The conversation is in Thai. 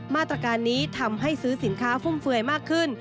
มาตรการนี้ทำให้ซื้อสินค้าฟุ่มเฟือยมากขึ้น